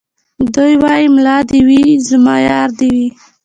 دی وايي ملا دي وي زما يار دي وي